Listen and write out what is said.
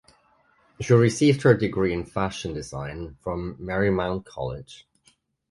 She received her degree in fashion design from Marymount College.